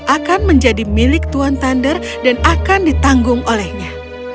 akan menjadi milik tuan thunder dan akan ditanggung olehnya